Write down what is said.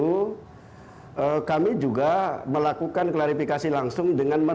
nah jawaban itu kami juga melakukan klarifikasi langsung dengan penelitian